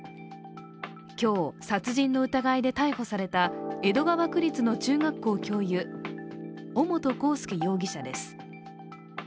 今日、殺人の疑いで逮捕された江戸川区立の中学校教諭、尾本幸祐容疑者です。